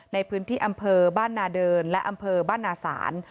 ในพื้นที่อำเภอบ้านนาเดินและอำเภอบ้านนาศาล